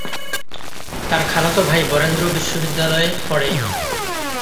তার খালাতো ভাই বরেন্দ্র বিশ্ববিদ্যালয়ে পড়ে।